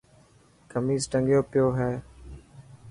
کميس ٽنگيو پيو هي.